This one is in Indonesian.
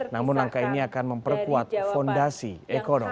namun langkah ini akan memperkuat fondasi ekonomi